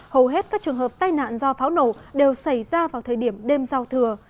hầu hết các trường hợp tai nạn do pháo nổ đều xảy ra vào thời điểm đêm giao thừa